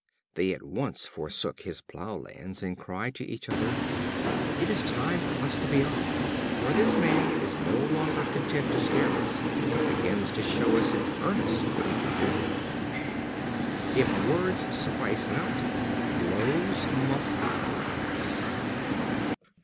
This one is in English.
They at once forsook his plough lands, and cried to each other: "It is time for us to be off, for this man is no longer content to scare us, but begins to show us in earnest what he can do." If words suffice not, blows must follow.